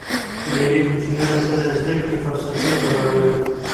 مېلې کوچنيانو ته د زدهکړي فرصتونه برابروي.